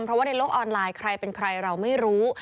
เพราะว่าในโลกออนไลน์ใครเป็นใครเราไม่รู้